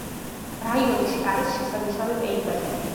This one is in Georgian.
რაიონში არის შესანიშნავი პეიზაჟები.